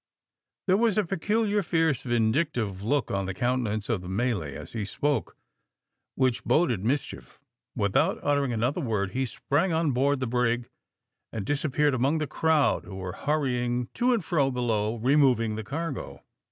There was a peculiar, fierce, vindictive look on the countenance of the Malay as he spoke, which boded mischief. Without uttering another word he sprang on board the brig, and disappeared among the crowd who were hurrying to and fro below, removing the cargo.